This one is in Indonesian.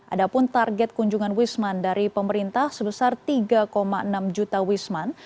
ada pun target kunjungan wisman dari pemerintah sebesar tiga enam juta wisman